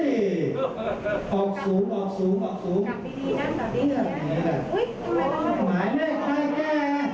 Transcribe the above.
เอ๊เอ้าไงดูใช้กรีนก็มี